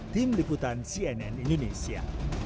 tim liputan cnn indonesia